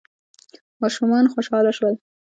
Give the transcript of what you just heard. ماشومان خوشحاله شول.